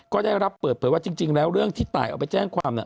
ก็ได้รับเปิดเผยว่าจริงแล้วเรื่องที่ตายเอาไปแจ้งความน่ะ